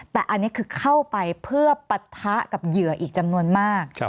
แต่อันนี้คือเข้าไปเพื่อปะทะกับเหยื่ออีกจำนวนมาก